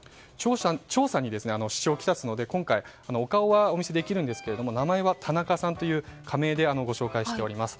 調査に支障を来すので今回お顔はお見せできるんですが名前は田中さんという仮名でご紹介しています。